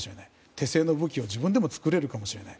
手製の武器を自分でも作れるかもしれない。